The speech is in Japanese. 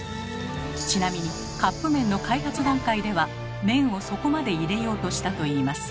ちなみにカップ麺の開発段階では麺を底まで入れようとしたといいます。